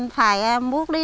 phải em bút đi